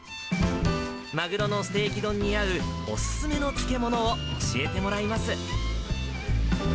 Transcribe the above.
マグロのステーキ丼に合うお勧めの漬物を教えてもらいます。